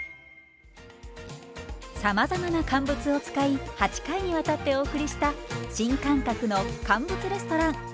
さまざまな乾物を使い８回にわたってお送りした新感覚の乾物レストラン。